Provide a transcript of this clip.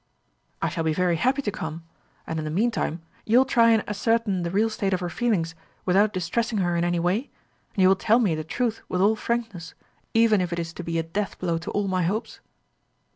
"I shall be very happy to come. And in the meantime, you will try and ascertain the real state of her feelings without distressing her in any way; and you will tell me the truth with all frankness, even if it is to be a deathblow to all my hopes?"